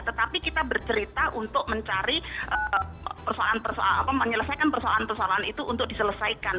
tetapi kita bercerita untuk mencari menyelesaikan persoalan persoalan itu untuk diselesaikan